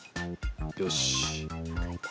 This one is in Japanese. よし。